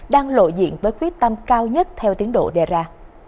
đang lộ diện với quyết tâm cao nhất theo tiến độ đề ra